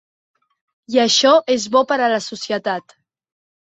I això és bo per a la societat.